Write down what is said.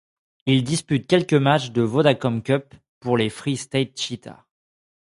Il dispute quelques matches de Vodacom Cup pour les Free State Cheetahs.